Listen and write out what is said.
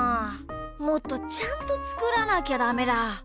もっとちゃんとつくらなきゃダメだ。